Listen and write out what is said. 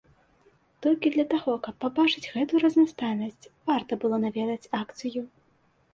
Толькі для таго, каб пабачыць гэтую разнастайнасць, варта было наведаць акцыю.